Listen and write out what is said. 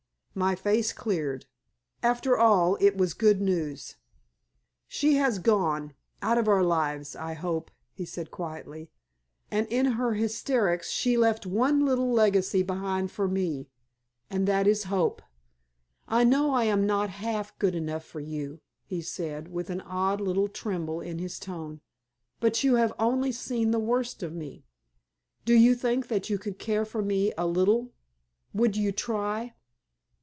My face cleared. After all it was good news. "She has gone out of our lives, I hope," he said, quietly, "and in her hysterics she left one little legacy behind for me and that is hope. I know that I am not half good enough for you," he said, with an odd little tremble in his tone, "but you have only seen the worst of me. Do you think that you could care for me a little? Would you try?"